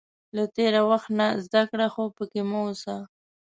• له تېر وخت نه زده کړه، خو پکې مه اوسه.